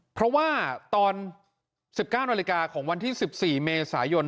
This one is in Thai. เพราะว่าตอน๑๙นาฬิกาของวันที่๑๔เมษายน